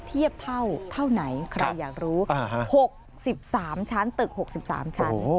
เทียบเท่าไหนใครอยากรู้๖๓ชั้นตึก๖๓ชั้น